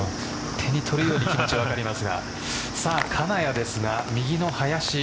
手に取るように気持ちが分かります。